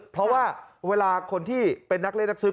เพราะว่าเวลาคนที่เป็นนักเล่นนักศึก